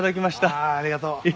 ああありがとう。